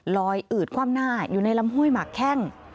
อืดคว่ำหน้าอยู่ในลำห้วยหมักแข้ง